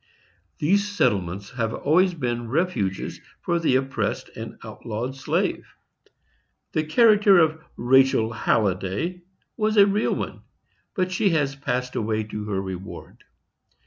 These settlements have always been refuges for the oppressed and outlawed slave. The character of Rachel Halliday was a real one, but she has passed away to her reward.